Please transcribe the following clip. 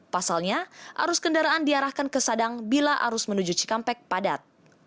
pasalnya arus kendaraan diarahkan ke sadang bila arus menuju cikampek padat